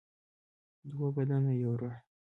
دوه بدن یو روح.